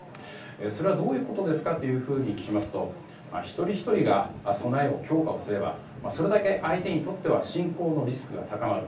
それはどういうことですかというふうに聞きますと一人ひとりが備えを強化すればそれだけ相手にとっては侵攻のリスクが高まる。